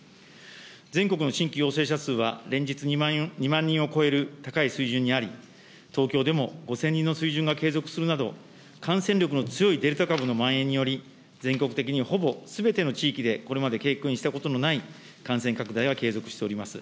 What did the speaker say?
全国の新規陽性者数は連日、２万人を超える高い水準にあり、東京でも５０００人の水準が継続するなど、感染力の強いデルタ株のまん延により、全国的にほぼすべての地域でこれまで経験したことのない感染拡大が継続しております。